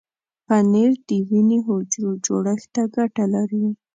پنېر د وینې حجرو جوړښت ته ګټه لري.